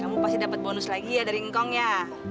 kamu pasti dapat bonus lagi ya dari ngkongnya